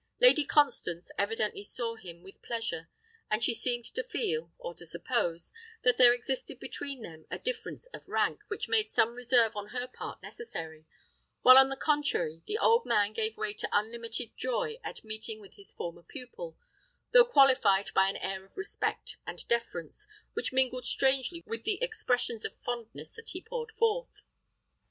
Lady Constance evidently saw him with pleasure; but she seemed to feel, or to suppose, that there existed between them a difference of rank, which made some reserve on her part necessary, while, on the contrary, the old man gave way to unlimited joy at meeting with his former pupil, though qualified by an air of respect and deference which mingled strangely with the expressions of fondness that he poured forth.